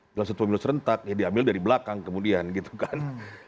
dalam satu pemilu serentak ya diambil dari belakang kemudian gitu kan